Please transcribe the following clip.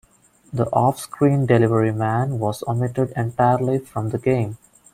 The off-screen delivery man was omitted entirely from the game.